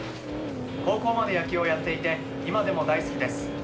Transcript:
高校まで野球をやっていて今でも大好きです。